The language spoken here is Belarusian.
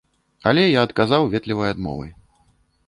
Але я адказаў ветлівай адмовай.